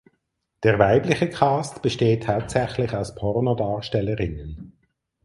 Der weibliche Cast besteht hauptsächlich aus Pornodarstellerinnen.